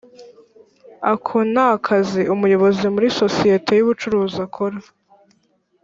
ako ni akazi umuyobozi mu isosiyete y’ubucuruzi akora